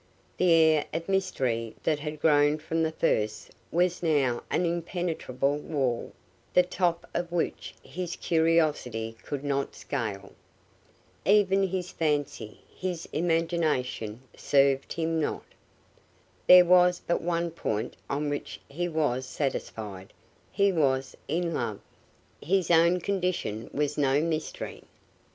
The air of mystery that had grown from the first was now an impenetrable wall, the top of which his curiosity could not scale. Even his fancy, his imagination, served him not. There was but one point on which he was satisfied: he was in love. His own condition was no mystery.